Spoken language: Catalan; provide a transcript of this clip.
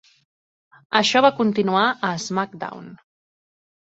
Això va continuar a "SmackDown!".